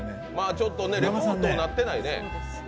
ちょっとレポートになってないね。